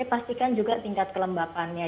pastikan juga tingkat kelembabannya